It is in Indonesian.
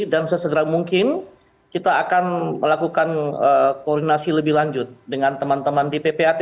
dan sesegera mungkin kita akan melakukan koordinasi lebih lanjut dengan teman teman di ppatk